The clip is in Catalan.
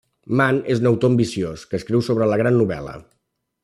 Man és un autor ambiciós, que escriu sobre La Gran Novel·la.